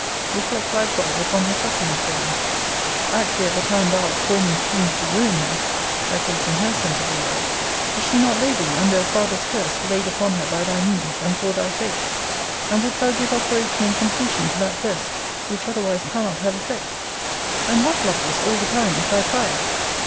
Reflect likewise upon her sufferings for thee. Actually at the time thou art forming schemes to ruin her, (at least in her sense of the word,) is she not labouring under a father's curse laid upon her by thy means, and for thy sake? and wouldst thou give operation and completion to that curse, which otherwise cannot have effect? And what, Lovelace, all the time is thy pride?